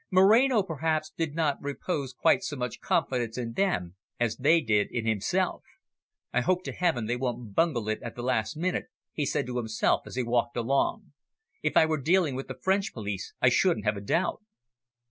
Moreno perhaps did not repose quite so much confidence in them as they did in himself. "I hope to heaven they won't bungle it at the last minute," he said to himself as he walked along. "If I were dealing with the French police, I shouldn't have a doubt."